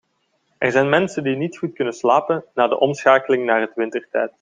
Er zijn mensen die niet goed kunnen slapen na de omschakeling naar het wintertijd.